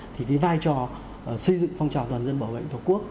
thì cái vai trò xây dựng phong trào toàn dân bảo vệ an ninh tổ quốc